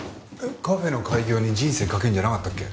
カフェの開業に人生懸けるんじゃなかったっけ？